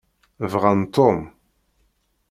Bɣan Tom.